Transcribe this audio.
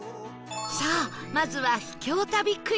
さあまずは秘境旅クイズ